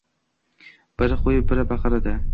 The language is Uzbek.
Biri qo‘yib, biri baqiradi